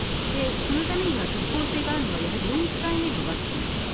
そのためには即効性があるのは、やはり４回目のワクチンですね。